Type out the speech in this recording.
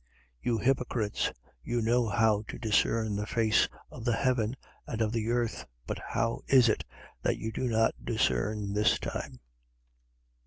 12:56. You hypocrites, you know how to discern the face of the heaven and of the earth: but how is it that you do not discern this time?